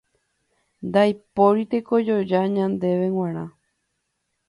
Ndaipóiri tekojoja ñandéve g̃uarã.